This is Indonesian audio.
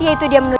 yaitu dia menurut